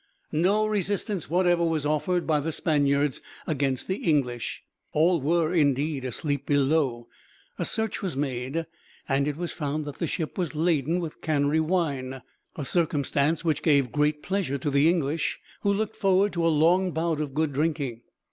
No resistance whatever was offered by the Spaniards against the English. All were, indeed, asleep below. A search was made, and it was found that the ship was laden with Canary wine, a circumstance which gave great pleasure to the English, who looked forward to a long bout of good drinking.